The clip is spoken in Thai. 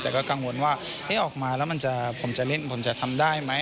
แต่ก็กังวลว่าออกมาแล้วผมจะเล่นผมจะทำได้ไหม